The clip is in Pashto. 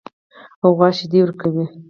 غوا شیدې ورکوي.